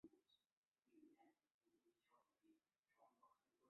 硫氰酸亚铜可以用作防污涂料。